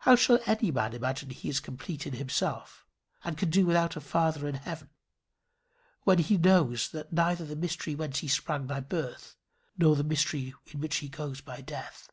How shall any man imagine he is complete in himself, and can do without a Father in heaven, when he knows that he knows neither the mystery whence he sprung by birth, nor the mystery to which he goes by death?